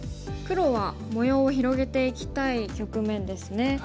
黒は模様を広げていきたい局面ですね。